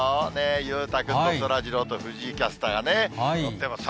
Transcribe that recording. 裕太君とそらジローと藤井キャスターがね、のってます。